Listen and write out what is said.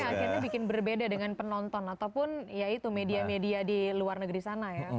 akhirnya bikin berbeda dengan penonton ataupun media media di luar negeri sana